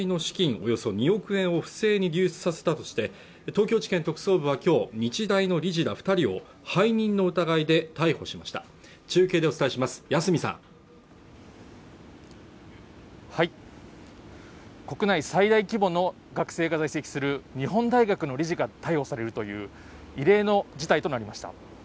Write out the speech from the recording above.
およそ２億円を不正に流出させたとして東京地検特捜部はきょう日大の理事ら二人を背任の疑いで逮捕しました中継でお伝えします国内最大規模の学生が在籍する日本大学の理事が逮捕されるという異例の事態となりました